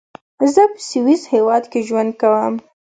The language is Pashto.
زۀ پۀ سويس هېواد کې ژوند کوم.